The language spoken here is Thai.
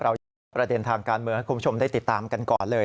เจาะประเด็นทางการเมืองให้คุณผู้ชมได้ติดตามกันก่อนเลย